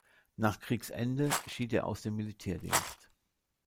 Nach Kriegsende schied er aus dem Militärdienst.